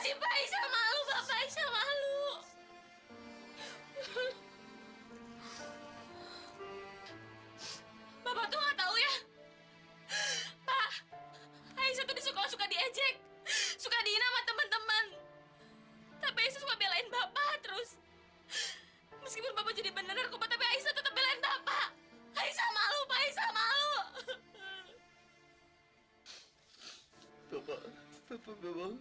ini aldo temen sekolah